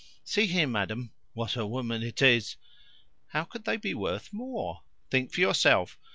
"See here, madam. (What a woman it is!) HOW could they be worth more? Think for yourself.